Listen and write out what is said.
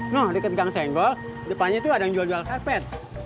nah deket gang senggol depannya itu ada yang jual jual karpet